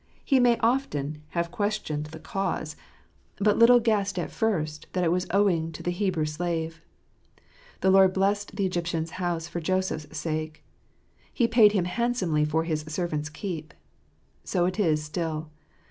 He may often have questioned the cause, 35 % Wtxxfldz ^etttpiattun. but little guessed at first that it was owing to the Hebrew slave. " The Lord blessed the Egyptian's house for Joseph's sake "; He paid him handsomely for His servant's keep. So is it still.